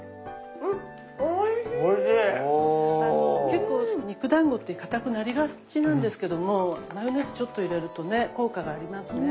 結構肉だんごってかたくなりがちなんですけどもマヨネーズちょっと入れるとね効果がありますね。